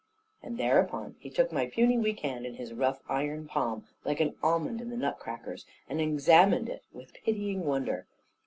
And thereupon he took my puny weak hand in his rough iron palm, like an almond in the nut crackers, and examined it with pitying wonder.